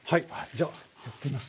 じゃあやってみます。